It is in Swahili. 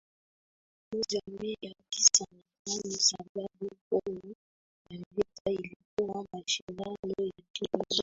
moja mia tisa na tanoSababu kuu ya vita ilikuwa mashindano ya nchi zote